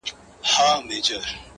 پردی ولات د مړو قدر کموینه!.